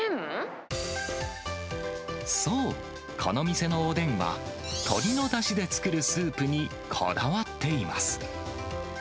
そう、この店のおでんは、鶏のだしで作るスープにこだわっています。